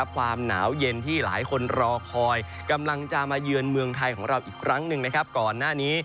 ความหนาวเย็นที่หลายคนรอคอยกำลังจะมาเยือนเมืองไทยของเราอีกครั้งหนึ่งก่อนหน้านี้